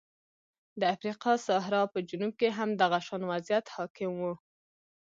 د افریقا صحرا په جنوب کې هم دغه شان وضعیت حاکم و.